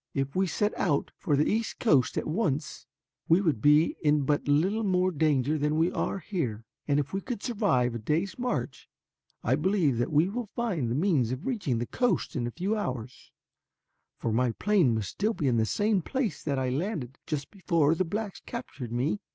If we set out for the east coast at once we would be in but little more danger than we are here, and if we could survive a day's march, I believe that we will find the means of reaching the coast in a few hours, for my plane must still be in the same place that I landed just before the blacks captured me.